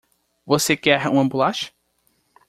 Você quer uma bolacha?